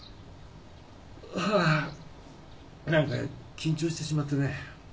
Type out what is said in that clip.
何か緊張してしまってね。